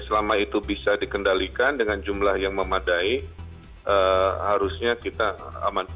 selama itu bisa dikendalikan dengan jumlah yang memadai harusnya kita amankan